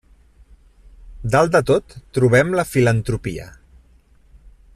Dalt de tot trobem la filantropia.